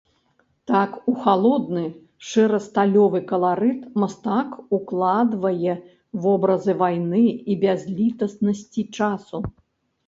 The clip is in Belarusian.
Так, у халодны, шэра-сталёвы каларыт мастак укладвае вобразы вайны і бязлітаснасці часу.